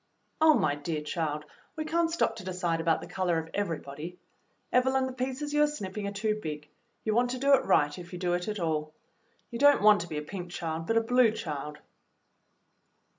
'^" "Oh, my dear child, we can't stop to decide about the color of everybody. Evelyn, the pieces you are snipping are too big. You want to do it right if you do it at all. You don't want to be a pink child, but a blue child."